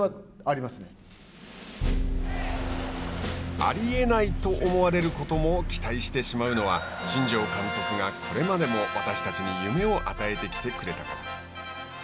あり得ないと思われることも期待してしまうのは新庄監督がこれまでも私たちに夢を与えてきてくれたから。